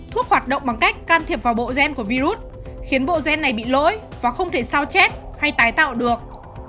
thuốc hoạt động bằng cách can thiệp vào bộ gen của virus khiến bộ gen này bị lỗi và không thể sao chép hay tái tạo được